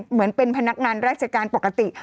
เหมือนเป็นพนักงานราชการปกติ